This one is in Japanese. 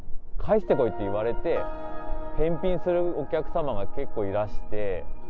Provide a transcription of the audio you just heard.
返してこいって言われて、返品するお客様が結構いらして。